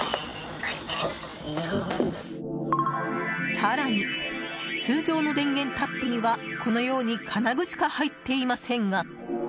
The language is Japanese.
更に、通常の電源タップにはこのように金具しか入っていませんが。